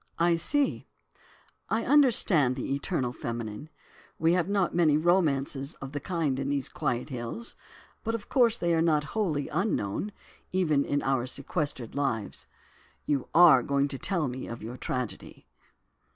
"I see, I understand, the 'eternal feminine'; we have not many romances of the kind in these quiet hills, but of course they are not wholly unknown, even in our sequestered lives. You are going to tell me of your tragedy."